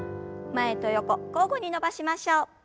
前と横交互に伸ばしましょう。